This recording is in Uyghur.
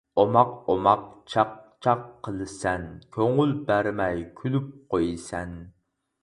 ئوماق ئوماق چاقچاق قىلسەن، كۆڭۈل بەرمەي كۈلۈپ قويسەن.